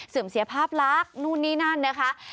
เสียภาพลักษณ์นู่นนี่นั่นนะคะ